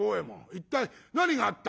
一体何があった？」。